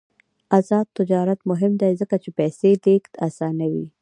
آزاد تجارت مهم دی ځکه چې پیسې لیږد اسانوي.